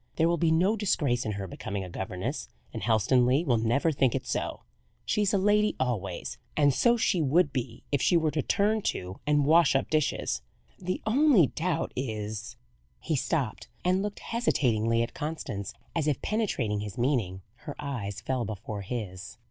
There will be no disgrace in her becoming a governess; and Helstonleigh will never think it so. She is a lady always, and so she would be if she were to turn to and wash up dishes. The only doubt is " He stopped, and looked hesitatingly at Constance. As if penetrating his meaning, her eyes fell before his.